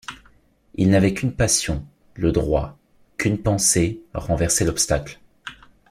Il n’avait qu’une passion, le droit, qu’une pensée, renverser l’obstacle.